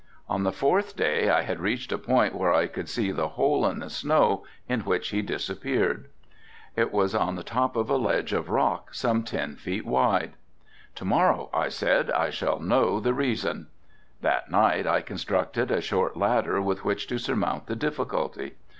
On the fourth day I had reached a point where I could see the hole in the snow in which he disappeared. It was on the top of a ledge of rock some ten feet wide. "To morrow," I said, "I shall know the reason." That night I constructed a short ladder with which to surmount the difficulty.